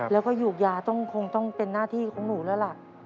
แล้วก็หยูกยาต้องคงต้องเป็นหน้าที่ของหนูแล้วล่ะ